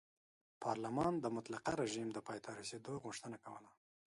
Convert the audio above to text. پارلمان د مطلقه رژیم د پای ته رسېدو غوښتنه کوله.